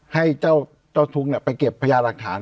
ให้เจ้าทุกข์ไปเก็บพยาหลักฐาน